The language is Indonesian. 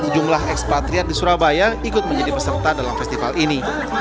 jumlah ekspatriat di surabaya ikut menjadi peserta dalam festival ini